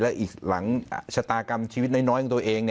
อีกหลังชะตากรรมชีวิตน้อยของตัวเอง